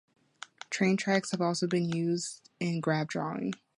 Train tracks have also been used in graph drawing.